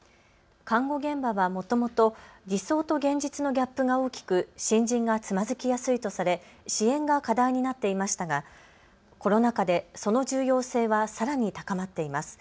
看護現場はもともと理想と現実のギャップが大きく新人がつまずきやすいとされ支援が課題になっていましたがコロナ禍でその重要性はさらに高まっています。